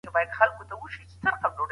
ښايي دا څېړنه د خلګو لپاره ډېره ګټوره وي.